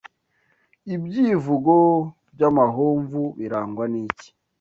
Ibyivugo by’amahomvu birangwa n’iki